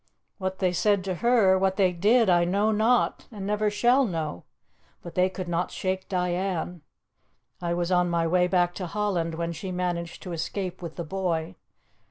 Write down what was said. What they said to her, what they did, I know not, and never shall know, but they could not shake Diane. I was on my way back to Holland when she managed to escape with the boy.